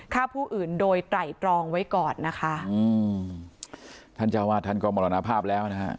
ฆ่าผู้อื่นโดยไตรตรองไว้ก่อนนะคะอืมท่านเจ้าวาดท่านก็มรณภาพแล้วนะฮะ